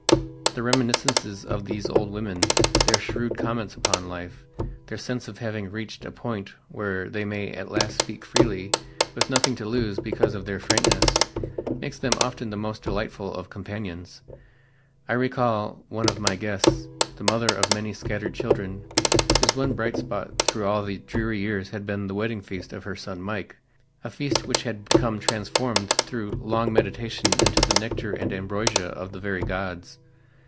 The reminiscences of these old women, their shrewd comments upon life, their sense of having reached a point where they may at last speak freely with nothing to lose because of their frankness, makes them often the most delightful of companions. I recall one of my guests, the mother of many scattered children, whose one bright spot through all the dreary years had been the wedding feast of her son Mike, a feast which had become transformed through long meditation into the nectar and ambrosia of the very gods.